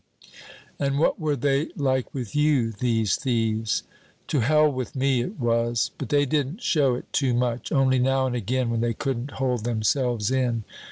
"And what were they like with you, these thieves?" "To hell with me, it was, but they didn't show it too much, only now and again when they couldn't hold themselves in.